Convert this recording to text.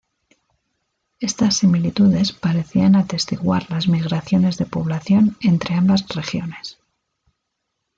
Estas similitudes parecían atestiguar las migraciones de población entre ambas regiones.